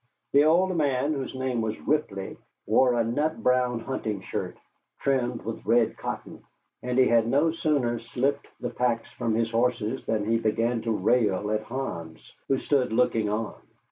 The old man, whose name was Ripley, wore a nut brown hunting shirt trimmed with red cotton; and he had no sooner slipped the packs from his horses than he began to rail at Hans, who stood looking on.